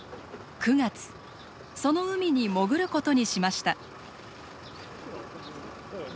その海に潜ることにしました。